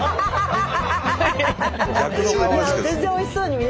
全然おいしそうに見えなかった。